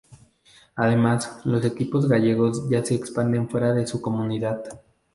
Además, los equipos gallegos ya se expanden fuera de su comunidad.